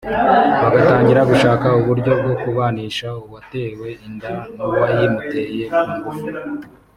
bagatangira gushaka uburyo bwo kubanisha uwatewe inda n’uwayimuteye ku ngufu